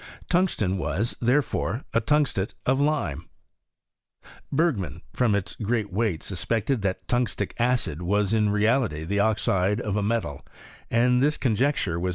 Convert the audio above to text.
Tungsten was, therefore, a tungstate of lime. Bergman, from its ^eat weight, suspected that tungstic acid was in r^lity the oxide of a metal, and this conjecture was T2 BISTORT OF CHEXISTKT.